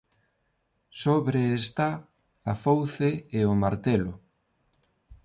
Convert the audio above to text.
Sobre está a fouce e o martelo.